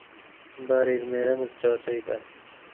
বাড়ির মেয়েরা মুখ চাওয়াচাওয়ি করে।